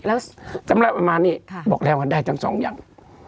แล้วสำหรับประมาณนี้บอกแล้วว่าได้ทั้งสองอย่าง